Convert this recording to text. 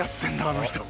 あの人。